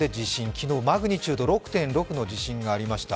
昨日、マグニチュード６．６の地震がありました。